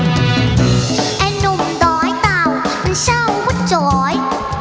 ไหนนุ่มน้อยตาวเหมือนช่างพูดจ๋อย